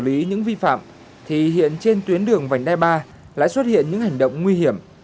xử lý những vi phạm thì hiện trên tuyến đường vành đai ba lại xuất hiện những hành động nguy hiểm